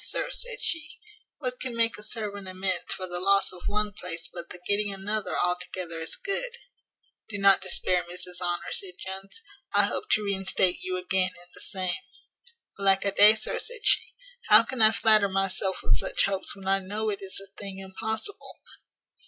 sir," said she, "what can make a servant amends for the loss of one place but the getting another altogether as good?" "Do not despair, Mrs Honour," said Jones, "I hope to reinstate you again in the same." "Alack a day, sir," said she, "how can I flatter myself with such hopes when I know it is a thing impossible?